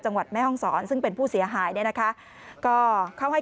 จังหวัดแม่ห้องสอนซึ่งเป็นผู้เสียหายได้นะคะก็เขาให้